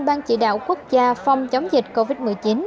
ban chỉ đạo quốc gia phòng chống dịch covid một mươi chín